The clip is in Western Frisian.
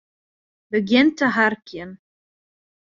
Begjin te harkjen.